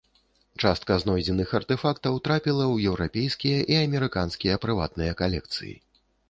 Частка знойдзеных артэфактаў трапіла ў еўрапейскія і амерыканскія прыватныя калекцыі.